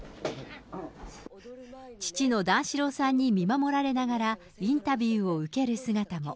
父の段四郎さんに見守られながら、インタビューを受ける姿も。